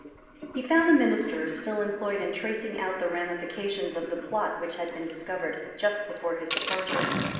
He found the ministers still employed in tracing out the ramifications of the plot which had been discovered just before his departure.